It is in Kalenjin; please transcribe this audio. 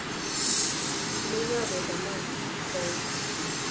Ndeiwo bendo maat ko utu